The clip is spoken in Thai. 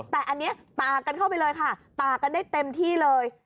แต่อันนี้ตากกันเข้าไปเลยค่ะตากกันได้เต็มที่เลย